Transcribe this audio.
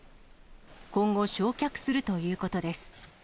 今後、焼却するということです。